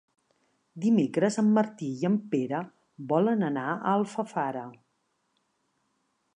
Dimecres en Martí i en Pere volen anar a Alfafara.